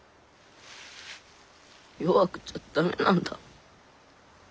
弱くちゃ駄目なんだ。